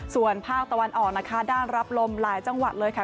ส่วนภาคตะวันออกนะคะด้านรับลมหลายจังหวัดเลยค่ะ